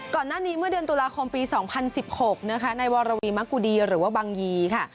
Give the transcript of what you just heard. ก่อนหน้านี้เมื่อเดือนตุลาคมปี๒๐๑๖นะคะในวรวีมะกุดีหรือว่าบังยีค่ะ